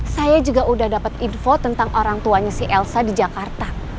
saya juga udah dapat info tentang orang tuanya si elsa di jakarta